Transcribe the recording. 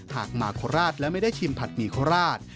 หากมาโคราชและไม่ได้ชิมผัดหมี่โคราช